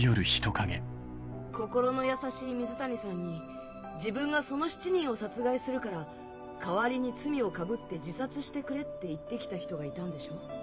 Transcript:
心の優しい水谷さんに自分がその７人を殺害するから代わりに罪をかぶって自殺してくれって言って来た人がいたんでしょ？